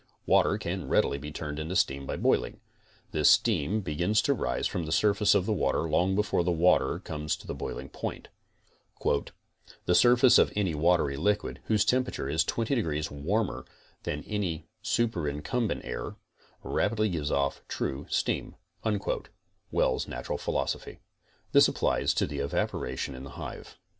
Water can readily be turned into steam by boiling. This steam begins to rise from the surface of the water long before the water comes to the boiling point. "The surface of any watery liquid, whose temperature is 20 degrees warmer than any superincum bent air, rapidly gives off true steam,''* applies to the evapora tion in the hive.